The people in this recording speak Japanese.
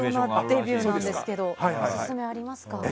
大人デビューなんですけどオススメはありますか？